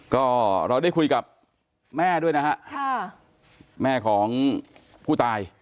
ก็เราได้คุยกับแม่ด้วยนะฮะค่ะแม่ของผู้ตาย